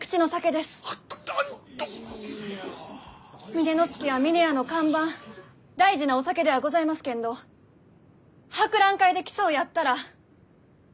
峰乃月は峰屋の看板大事なお酒ではございますけんど博覧会で競うやったら一口で忘れられん